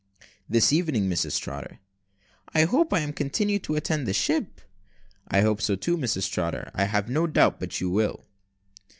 "This evening, Mrs Trotter." "I hope I am to continue to attend the ship?" "I hope so, too, Mrs Trotter; I have no doubt but you will."